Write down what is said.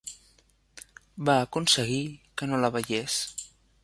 Va aconseguir que no la veiés.